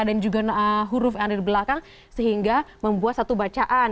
juga huruf yang ada di belakang sehingga membuat satu bacaan